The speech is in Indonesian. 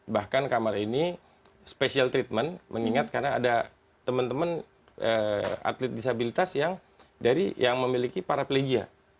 bahkan kamar ini special treatment mengingat karena ada teman teman atlet disabilitas yang dari yang memiliki paraplegia